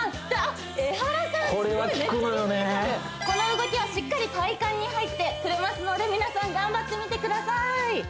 この動きはしっかり体幹に入ってくれますので皆さん頑張ってみてください